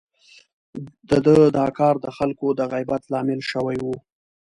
د ده دا کار د خلکو د غيبت لامل شوی و.